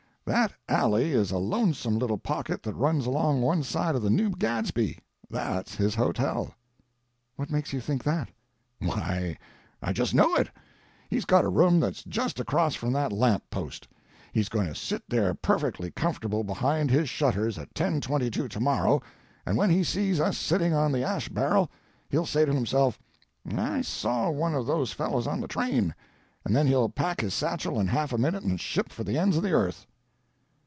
That alley is a lonesome little pocket that runs along one side of the New Gadsby. That's his hotel." "What makes' you think that?" "Why, I just know it. He's got a room that's just across from that lamp post. He's going to sit there perfectly comfortable behind his shutters at 10.22 to morrow, and when he sees us sitting on the ash barrel, he'll say to himself, 'I saw one of those fellows on the train'—and then he'll pack his satchel in half a minute and ship for the ends of the earth."